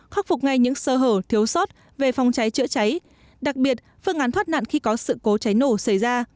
khắc phục ngay những sơ hở thiếu sót về phòng cháy chữa cháy đặc biệt phương án thoát nạn khi có sự cố cháy nổ xảy ra